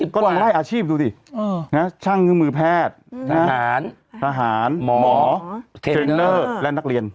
ก็ล่างล่ายอาชีพดูดิช่างมือแพทย์ทหารหมอเทรนเนอร์และนักเรียน